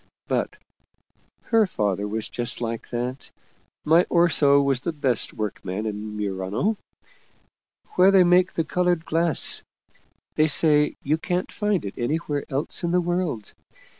But her father was just like that. My Orso was the best workman in Murano where they make the colored glass. They say you can't find it anywhere else in the world.